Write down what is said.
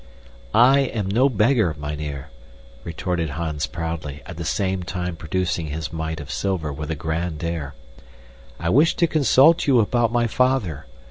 "I am no beggar, mynheer," retorted Hans proudly, at the same time producing his mite of silver with a grand air. "I wish to consult you about my father.